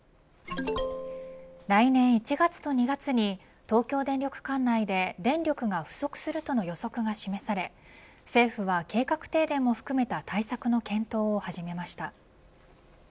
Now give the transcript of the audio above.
来年１月と２月に東京電力管内で電力が不足するとの予測が示され政府は、計画停電も含めた対策の検討を始めました。